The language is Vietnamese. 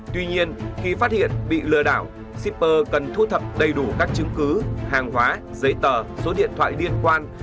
tuy nhiên khi phát hiện bị lừa đảo shipper cần thu thập đầy đủ các chứng cứ hàng hóa giấy tờ số điện thoại liên quan